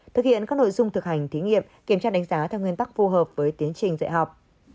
thực hiện các nội dung thực hành thí nghiệm kiểm tra đánh giá theo nguyên tắc phù hợp với tiến trình dạy học